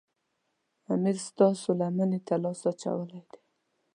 امیر ستاسو لمنې ته لاس اچولی دی.